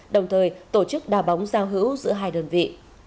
đồng thời tổ chức đà bóng giao hữu giữa hai đơn vị